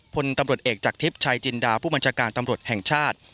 พลตำรวจเอกจากทิพย์ชายจินดาผู้บัญชาการตำรวจแห่งชาติ